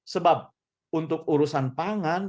sebab untuk urusan pangan